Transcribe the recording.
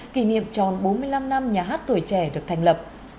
kỷ niệm tròn bốn mươi năm năm nhà hát tuổi trẻ được thành lập